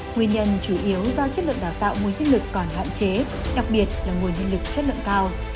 nguyên nhân chủ yếu do chất lượng đào tạo nguồn thiết lực còn hạn chế đặc biệt là nguồn nhân lực chất lượng cao